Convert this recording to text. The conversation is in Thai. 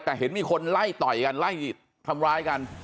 แต่เห็นมีคนไล่ต่อยกันไล่ทำร้ายกัน